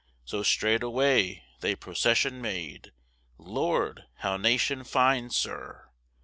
So straightway they procession made, Lord, how nation fine, sir!